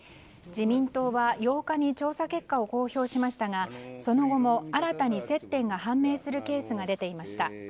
自民党は８日に調査結果を公表しましたがその後も、新たに接点が判明するケースが出ていました。